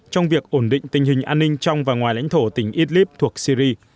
trong việc ổn định tình hình an ninh trong và ngoài lãnh thổ tỉnh idlib thuộc syri